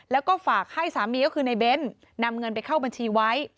แล้วก็ฝากให้สามีก็คือในเบ้นนำเงินไปเข้าบัญชีไว้